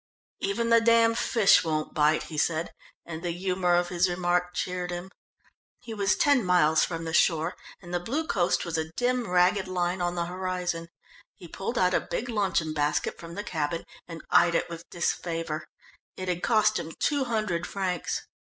"Even the damn fish won't bite," he said, and the humour of his remark cheered him. He was ten miles from the shore, and the blue coast was a dim, ragged line on the horizon. He pulled out a big luncheon basket from the cabin and eyed it with disfavour. It had cost him two hundred francs.